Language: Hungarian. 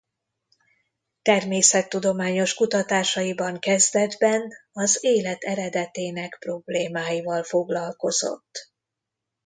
Természettudományos kutatásaiban kezdetben az élet eredetének problémáival foglalkozott.